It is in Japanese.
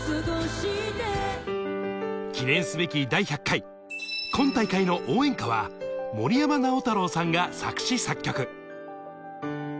記念すべき第１００回、今大会の応援歌は森山直太朗さんが作詞・作曲。